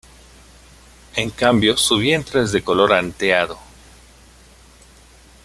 En cambio su vientre es de color anteado.